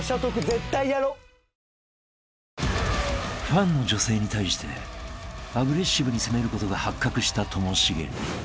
［ファンの女性に対してアグレッシブに攻めることが発覚したともしげ］